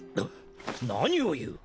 何を言う！